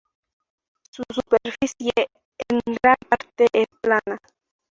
Su superficie en gran parte es plana.